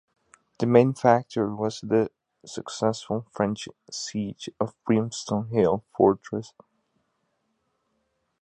The main factor was the successful French siege of Brimstone Hill fortress.